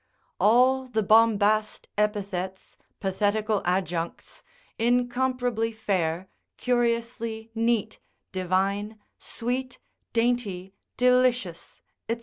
All the bombast epithets, pathetical adjuncts, incomparably fair, curiously neat, divine, sweet, dainty, delicious, &c.